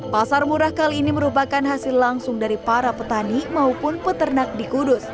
pasar murah kali ini merupakan hasil langsung dari para petani maupun peternak di kudus